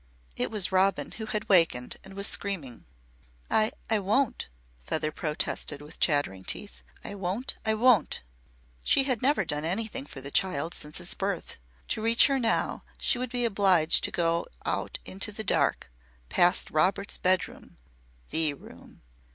It was Robin who had wakened and was screaming. "I I won't!" Feather protested, with chattering teeth. "I won't! I won't!" She had never done anything for the child since its birth. To reach her now, she would be obliged to go out into the dark past Robert's bedroom the room.